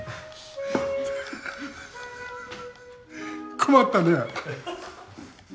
困ったね！